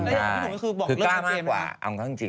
พี่หนูก็คือบอกเลิกจริง